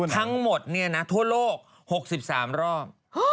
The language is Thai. ทั้งหมดทั่วโลก๖๓รอบ